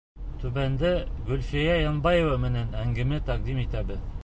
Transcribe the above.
Түбәндә Гөлфиә Янбаева менән әңгәмә тәҡдим итәбеҙ.